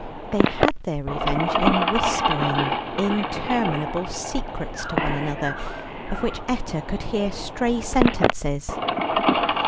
They had their revenge in whispering interminable secrets to one another, of which Etta could hear stray sentences.